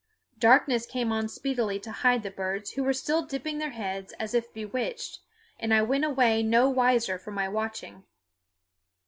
Darkness came on speedily to hide the birds, who were still dipping their heads as if bewitched, and I went away no wiser for my watching.